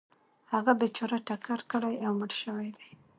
هغه بیچاره ټکر کړی او مړ شوی دی .